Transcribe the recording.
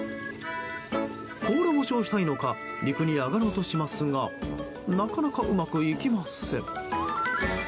甲羅干しをしたいのか陸に上がろうとしますがなかなかうまくいきません。